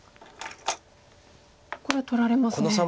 これは取られますね。